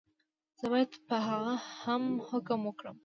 زه باید په هغه هم حکم وکړم.